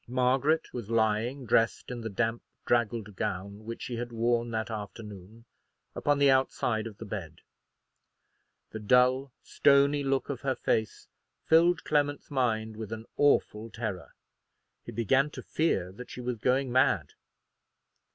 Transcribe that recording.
Margaret was lying, dressed in the damp, draggled gown which she had worn that afternoon, upon the outside of the bed. The dull stony look of her face filled Clement's mind with an awful terror. He began to fear that she was going mad.